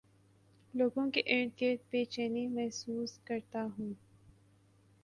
لوگوں کے ارد گرد بے چینی محسوس کرتا ہوں